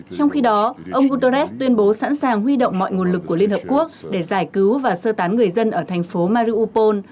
trong khi đó ông guterres tuyên bố sẵn sàng huy động mọi nguồn lực của liên hợp quốc để giải cứu và sơ tán người dân ở thành phố marupol